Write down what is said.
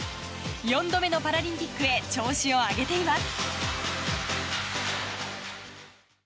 ４度目のパラリンピックへ調子を上げています。